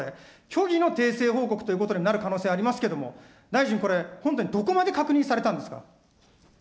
虚偽の訂正報告ということになる可能性ありますけれども、大臣、本当にどこまで確認されたんですか。